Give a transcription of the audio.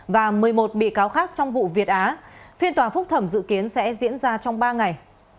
và một mươi một bị cáo khác trong vụ việt á phiên tòa phúc thẩm dự kiến sẽ diễn ra trong ba ngày